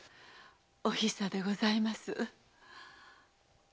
「おひさ」でございます。